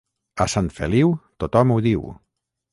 A Sant Feliu, tothom ho diu.